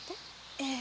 ええ。